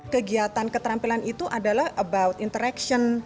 kegiatan keterampilan itu adalah tentang interaksi